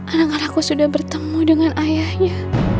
anak anakku sudah bertemu dengan ayahnya